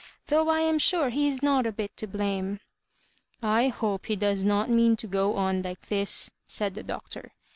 Though I am sure he is not a bit to blame." " I hope he does not mean to go on like this," said the Doctor.